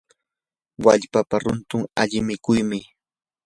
wallpapa runtun ali mikuymi.